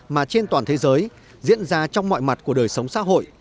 mà trên toàn thế giới diễn ra trong mọi mặt của đời sống xã hội